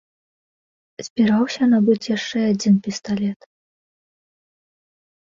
Збіраўся набыць яшчэ адзін пісталет.